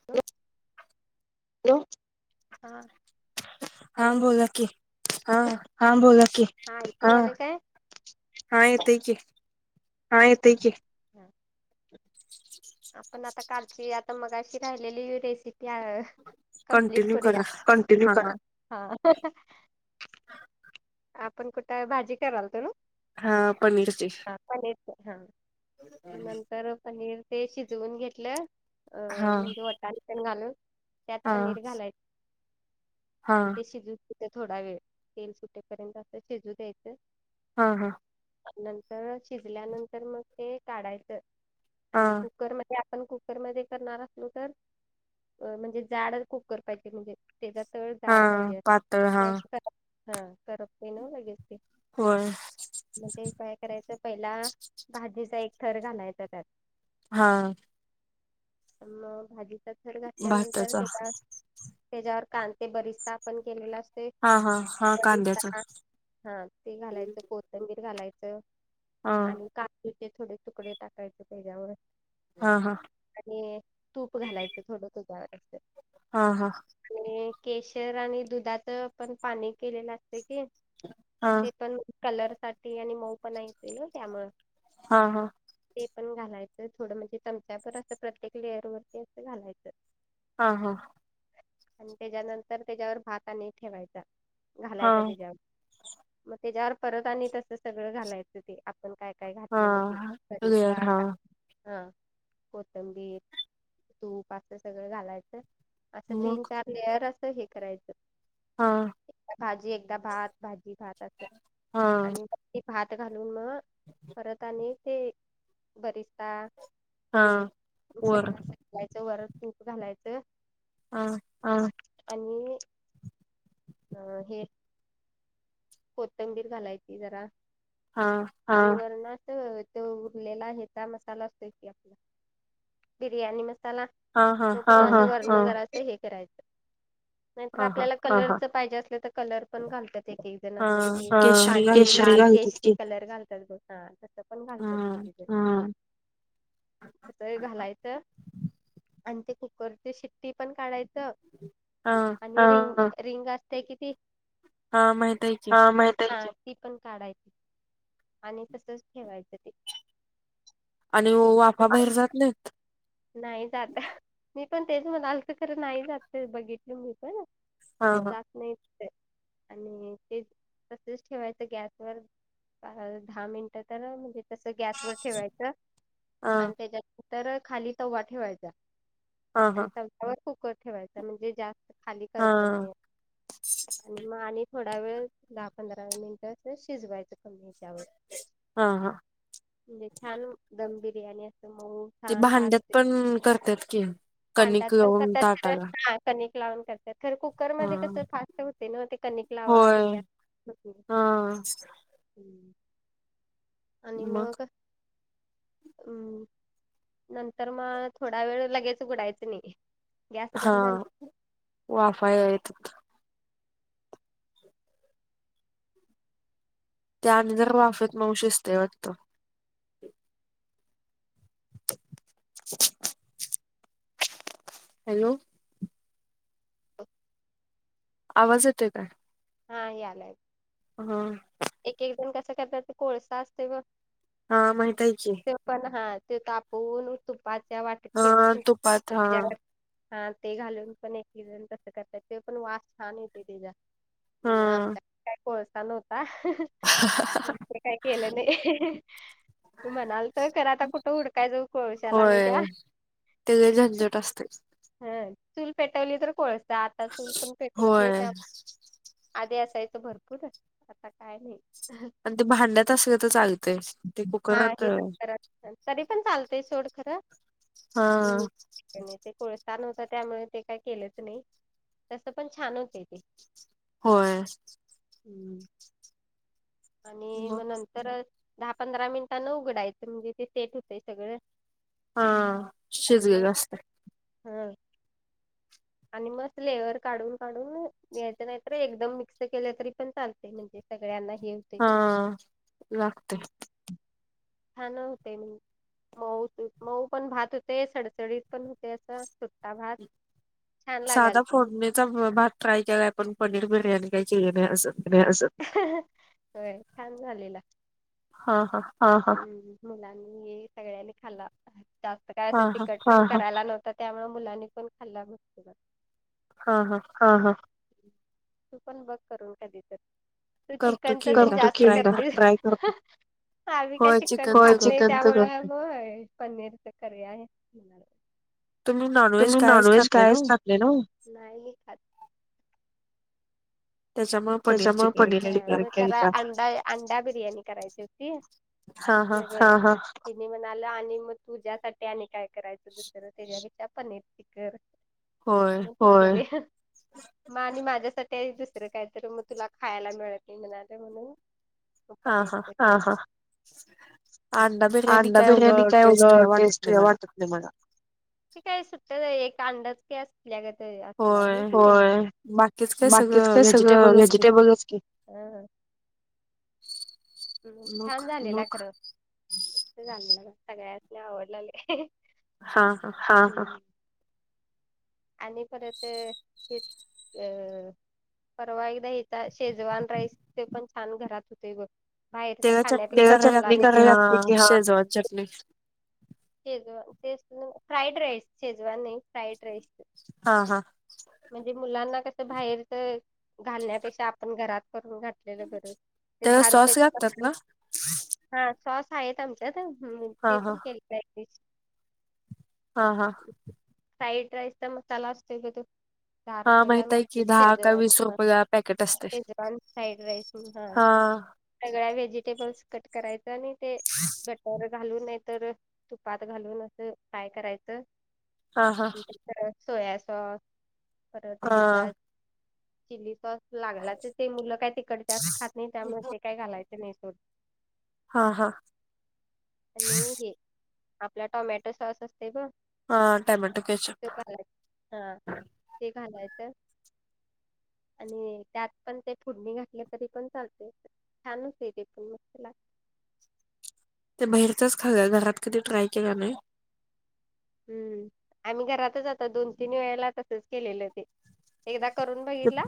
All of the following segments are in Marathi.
हं हॅलो हॅलो हां बोलां हां अयंकू येतं आहे हां येते की हां येतंय की आपणं आंता कांलची आंता मगाशी राहिलेली रेसिपी आहे कंप्लीट करूंया कंटिन्यू करां हां हां आपणं कुठं भाजी करांलतो नां हां पनीरची पनीर हां नंतर पनीर ते शिजवूंन घेतलं अं म्हणजे वटांणे पणं घालूंन त्यांत पनीर घालायचं आणि ते शिज तेत थोडां वेळं तेल सुटेपर्यंत असं शिजूं द्यायचं हां हां नंतर शिजल्यानंतर मंग ते काढायचं आणि खरं कुकरमध्ये आपणं कुकरमध्यें करणारं असलो तरं म्हणजे जाडं कुकर पाहिजे म्हणजे त्यांचा तळं जाडं पाहिजे असं नाहीं हां करपतेन लगेच ते व्हयं म्हणजे कायं करायचं पहिला भाजीचा एक थरं घालांयचा त्यांत हां मंग भाजीचा थरं घातल्यांनंतर त्यांला त्यांच्यावर कांते बरिस्ता आपणं केलेला असते बरिस्ता हां ते घालायचं कोथंबीर घालायचं आणि कां पनिरचे थोडे तुकडे टाकांयचे त्यांच्यावरूंन हां हां आणि तूंप घालायचं थोडं तूं हां हां केशर आणि दुधांच पणं पाणी केलेलं असते की ते पणं कलर सांठी आणि मऊं पणां येतोय गं त्यांमुळे हां हां ते पणं घालायचं थोडं म्हणजे चमचांवर असं प्रत्येक लेयर वरती असं घालायचं हां हां आणि त्यांच्यानंतर त्यांच्यावर भाताने ठेवायंचा घालायचं त्यांच्यावर मंग त्यांच्यावर परंत आणि तसं सगळं घालायचं ते आपणं कायं हां आं हां आं मेळ खावूंन हां कोथंबीर तूंप असं सगळं घालायचं असं तीन चार लेअर असं हे करायचं भाजी एकदाचं भात भाजी भात असं आणि ते भात घालूंन मंग परंत आणि ते बरिस्तां हे सगळंयचं वरं तूंप घालायचं हा. हा... आणि... हे. कोथंबीर घालायची जरा.. हा. हा... वरणात... तो उरलेला हेचा मसाला असतोय की आपला बिर्याणी मसाला तो काय... हा हा... वरनं जरासं हे करायचं... नाहीतर आपल्याला कलरचं पाहिजे असलं तर... कलरपण घालतात... एक एक जण असा म्हणजे... केशरी घाल केशरी कलर घालतात बग... हा.. तसं पण घालतात.. एक एक जण... हा. तर ते घालायचं... अन ते कुकरची शिट्टी पण काढायचं आ. हा हा... रिंग... रिंग असते किती हा माहित आहे. हा... माहितीये... हा... ती पण काढायची... आणि तसंच ठेवायचं ते. आणि वो वाफा बाहेर जात नाहीत? नाही जात... अहं... मी पण तेच म्हणालो होतो.. खरं नाही जात... ते बघितलं होतं ना. जात नाहीत ते... आणि ते तसेच ठेवायचं गॅसवर दहा.. धा मिनटं तर... म्हणजे... तसं गॅसवर ठेवायचं आणि त्याच्यानंतर... खाली तवा ठेवायचा... आणि तव्यावर कुकर ठेवायचा... म्हणजे जास्त हा. मग आणि थोडा वेळ... दहा पंधरा मिनिटातच शिजवायचं कमी च्या वर म्हणजे छान... दम बिर्याणी... असं मऊ ते भांड्यात पण... करतात की... कणिक लाऊन ताटाला. कणिक लावून करत्यात... खरं खूप कुकर मध्ये कसं... फास्ट होते नं.. ते कनिक लावा... हे हम्म. आणि मग? हम्म... नंतर मग... थोडा वेळ लगेच.... उघडायचं नई. हा... वाफाही आहेत त्यानंतर वाफेत... मवु शीजतंय वाटतं [inaudible] हॅलो आवाज येतोय काय? हा यालाय अ हं. एक एक जण... कसं करतात... ते कोळसा असतय बग हा... माहितय की पण हा... तो तापवुन... तुपात त्या वाटीत ठेव... तूप [unintelligible] हा... ते घालून पण... एक एक जण तसं करतात... ते पण वास छान येतय... त्येचा. मग आमच्याकडे काय कोळसा नव्हता... हूहू. हंहंहंहंहं. ते काय केलं नय... हंहंहं म्हणाल तर... खरं आता कुठं हुडकायचं... कोळशाला आणि त्या ते लय झंझट असतय हा चूल पेटवली तर कोळसा आता चूल पण पेटवत नाही त्यामु आधी असायचं भरपूर आता काय नाही आणि ते भांडत असले तर चाल हा हे कधी पण चालतय सोड खरं मी आणि ते कोळसा नव्हता त्यामुळे ते काय केलंच नाही तसं पण छान होतय ते होय हम्म आणि म नंतर दहा पंधरा मिनिटां न उघडायचं म्हणजे ते सेट होतंय सगळं आणि मग हा आणि मस्त लेअर काढून, काढून घ्यायचं नाहीतर एकदम मिक्स केले तरी पण चालते म्हणजे सगळ्यांना हे हा लागतय खाणं होतय मग मऊ होतय मऊ पण भात होतय सडसडीत पण होतय असं सुट्टा भात साधा फोडणीचा भात ट्राय केलाय पण पनीर बिर्याणी काय केली नाही असं होय छान झालेला हा, हा मुलांनी हे सगळ्यांनी खाल्ला जास्त काय असं तिखट करायला नव्हतं त्यामुळे मुलांनी पण खाल्ला हा, हा हा, हा तू पण बघ करून कधी तरी तू चिकन जास्त करतीस आम्ही काय चिकन आप पनीरच करीत [inaudible] आहे तुम्ही नॉनव्हेज कायच खात नाही नव्ह त्याच्या मुळे पनिरची केल केलतो अंडा बिर्याणी करायची होती मग त्यनी म्हणालं आणि मग तुझ्यासाठी आणि काय करायचं दुसरं त्याच्यापेक्षा पनीर ची कर होय होय म आणि माझ्यासाठी दुसरं काय तर मग तुला खायला मिळत नाही म्हणाले म्हणून पनीर अंडा बिर्याणी कायं उग टेस्ट वाटत ते काय सुट्ट एक अंडच होय बाकीच काय अ व्हेजिटेबलच की ह् छान झालेलं खर मस्त झालेला सगळ्यांसनी आवडला लई हा, हा हा, हा आणि परत [unintelligible] परवा एकदा हित शेजवान राईस ते पण छान घरात होतय बघ बाहेर तर खाण्यापिला त्याला चटणी करावी लागते की हा ह चटणी शेजव ते फ्राईड राईस शेजवान नाही फ्राईड राईस म्हणजे मुलांना कस बाहेरच घालण्यापेक्षा आपण घरात करून घाल केलं परत, ते दहा रुपयाचं पाकीट हा स्वास हायेत आमच्यात हम् ते पण केले प्रॅक्टिस. हा हा. फ्राईड राईसचा मसला असतोय ग त्यो. हा माहिताय की दहा का वीस रुपय ला शेजवान फ्राईड राईस हा. हा. सगळ्या व्हेजिटेबल्स कट करायचं आणि ते [inaudible] बटर घालून नाय तर तुपात घालून असं काय करायचं. नंतर सोया सॉस परत हेचा चिली सॉस लागला तर ते मुलं काय तिकड जास्त खात नाय त्यामुळे ते काय घालायच नाय सोडत. हा हा. आणि हे आपला टोमॅटो सॉस असते ब हा टोमॅटो केचप. हा ते घालायचं. आणि त्यात पण ते फुडणी घातल तरी पण चालतय. छान हुतंय ते बाहेरचच खाल्लंय घरात कधी ट्राय केला नाय. हम्म आम्ही घरातच आता दोन तीन वेळेला तसच केलेलं ते. एकदा करून बघितला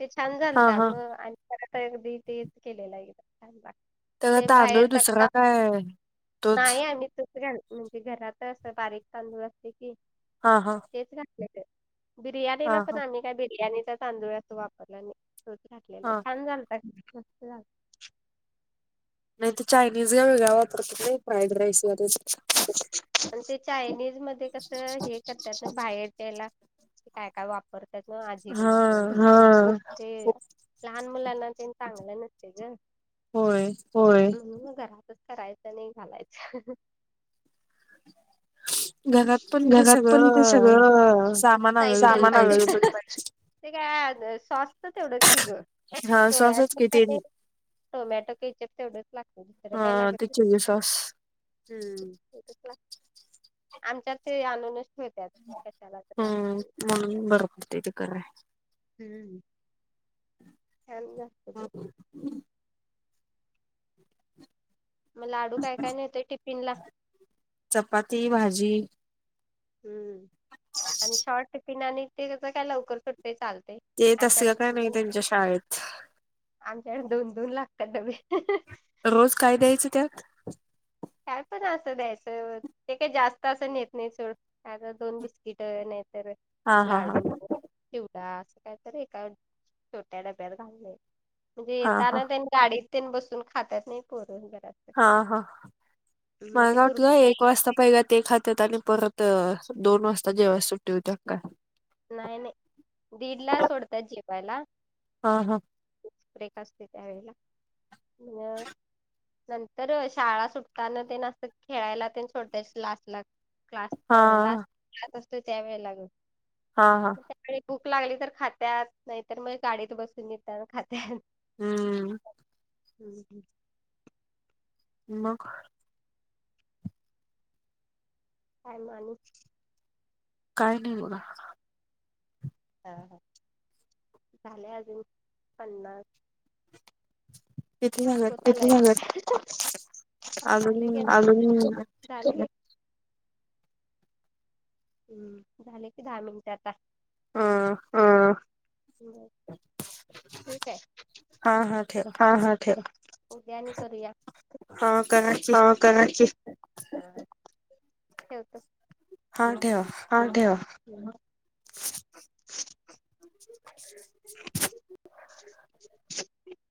ते छान झालत. मग आणि परत तन बी तेच केलेलं एकदा ते बाहेर चा नाही आम्ही तोच म्हणजे घरात अस बारीक तांदूळ असते की. हा हा. तेच खातल्याल बिर्याणीला पण आम्ही काय बिर्याणीचा तांदूळ अस वापरला आणि तोच घात लेला छान झालता मस्त. नाय ते चायनीज ला वेगळ्या वापरतेत नाय फ्राईड राईस मध्ये. पण ते चायनीज मध्ये कस हे कर त्याच बाहेर त्याला काय काय वापरतात ना अजिनोमोटो हा. ते लहान मुलांना ते चांगलं नसतंय ग. होय. घरातच करायचं आणि घालायचं. घरात पण ते सगळं सामान अवलेबल पाहिजे. ते काय सॉस च तेवढंच कि ग सोयासॉस आणि टोमॅटो केचेप तेवढच लागत दुसर काय ला आणि ते चिली सॉस. हम्म. आमच्या ते आणूनच ठेवत्यात. हम्म म्हणून बर पडतंय ते कराय. हम्म. काय आणि ग? [unintelligible] म लाडू काय काय न्हेतय टिफिन ला? चपाती, भाजी हम्म आणि शॉर्ट टीपिन आणि ते कसं काय लवकर सुटतंय स ते येतं असं कां कायं नाहीं त्यांच्या शाळेंत आमच्यांकडे दोन दोन लागतांत नं बाई रोज कायं द्यायचं त्यांत रोज कायं द्यायचं कायं पणं असं द्यायचं ते कांहीं जास्तं असं नेतं नाहीं संग आंता दोन बिस्किट नाहीं तरं. लांडू शिवड असं कायंतरी एकां छोट्या डब्यांत घालले. म्हणजे येतांना त्यांनी गांडीत त्यां बसूंन खांतात नाहीं पोरूंन घरांत हां हां मला गावं ते एक वाजतां पहिलां कां ते खात्यांत आणि परंत दोन वाजंता जेंव्हा सुट्टी होतं कां नाहीं नाहीं दीडला सोडतांत जेवांयला हां हां ब्रेक असते त्यांवेेळेला नंतर शाळां सुटतांना ते असं खेळांयला ते छोट्या लांस लागतात क्लास्टं लांस्ट क्स असतो त्यां वेळं लागत. हां हां त्यां भूकं लागली तरं खात्यांत नाहींतरं मंग गांडीत बसूंन नेतांना खात्यांत हम्मं हम्मं, मंग कायं मांनी कायं नाहीं बोलां हां हं झालेय अजूंन पन्नास अजूंन हम्मं झाले कि दहा मिनिटं आंता हंम ठेऊ कायं हां हां ठेवां यांद्यानी करूंया हां करंनची हां ठेवां हां ठेवां [unintelligible]